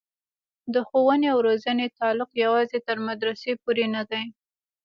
د ښوونې او روزنې تعلق یوازې تر مدرسې پورې نه دی.